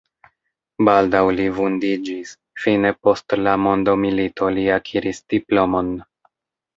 Baldaŭ li vundiĝis, fine post la mondomilito li akiris diplomon.